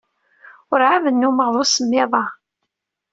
Ur ɛad nnumeɣ d usemmiḍ-a.